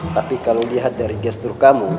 tapi kalau lihat dari gestur kamu